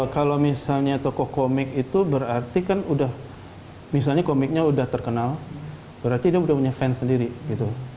kalau misalnya tokoh komik itu berarti kan udah misalnya komiknya udah terkenal berarti dia udah punya fans sendiri gitu